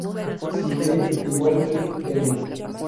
Si "d" igual que "n".